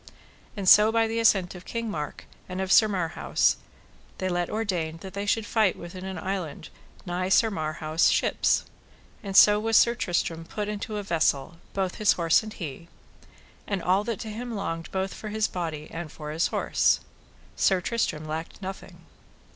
And so by the assent of King Mark and of Sir Marhaus they let ordain that they should fight within an island nigh Sir Marhaus' ships; and so was Sir Tristram put into a vessel both his horse and he, and all that to him longed both for his body and for his horse. Sir Tristram lacked nothing.